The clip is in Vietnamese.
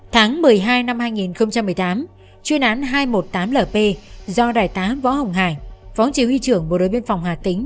tháng một mươi hai năm hai nghìn một mươi tám chuyên án hai trăm một mươi tám lp do đại tá võ hồng hải phó chỉ huy trưởng bộ đội biên phòng hà tĩnh